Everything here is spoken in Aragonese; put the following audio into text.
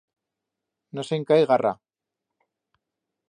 No se'n cai garra.